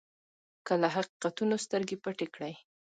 که له حقیقتونو سترګې پټې کړئ.